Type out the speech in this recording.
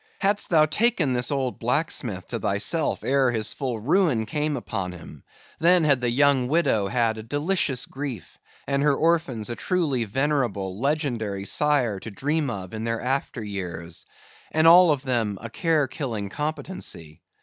Hadst thou taken this old blacksmith to thyself ere his full ruin came upon him, then had the young widow had a delicious grief, and her orphans a truly venerable, legendary sire to dream of in their after years; and all of them a care killing competency.